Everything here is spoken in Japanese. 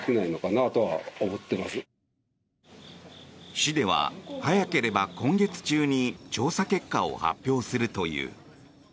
市では早ければ今月中に調査結果を発表するという。